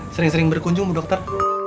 sering sering berkunjung dokter